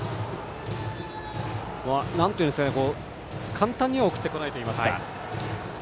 簡単には送ってこないといいますか。